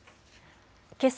けさ